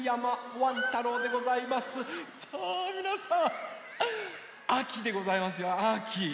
キャスターのさあみなさんあきでございますよあき。